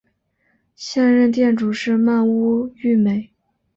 现任店主是鳗屋育美。